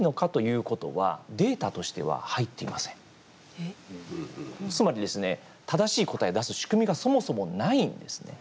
この仕組みの中にはつまりですね正しい答えを出す仕組みがそもそもないんですね。